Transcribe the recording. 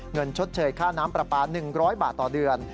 ชดเชยค่าน้ำปลาปลา๑๐๐บาทต่อเดือน